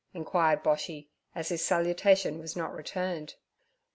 inquired Boshy, as his salutation was not returned.